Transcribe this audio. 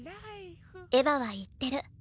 エヴァは言ってる